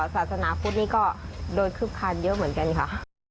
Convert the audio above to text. ศาสนาพุทธนี่ก็โดนคึบคาญเยอะเหมือนกันค่ะ